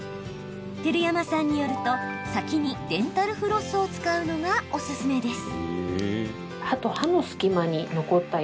照山さんによると先にデンタルフロスを使うのがおすすめです。